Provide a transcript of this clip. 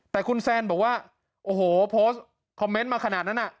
แต่คุณแซนบอกว่าโอ้โหโพสต์คอมเมนต์มาขนาดนั้นน่ะ